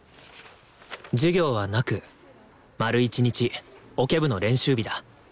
授業はなく丸一日オケ部の練習日だ